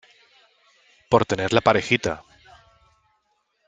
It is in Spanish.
por tener la parejita.